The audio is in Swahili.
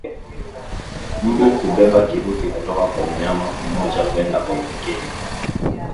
Mbu hubeba kirusi kutoka kwa mnyama mmoja kwenda kwa mwingine